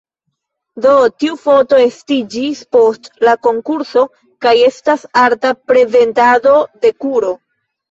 Do, tiu foto estiĝis post la konkurso kaj estas arta prezentado de kuro.